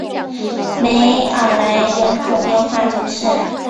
梅尔莱人口变化图示